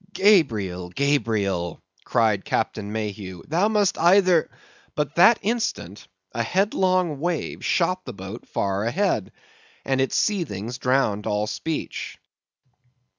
"Gabriel! Gabriel!" cried Captain Mayhew; "thou must either—" But that instant a headlong wave shot the boat far ahead, and its seethings drowned all speech.